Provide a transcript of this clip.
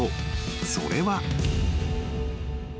それは］